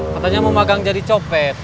katanya mau magang jadi copet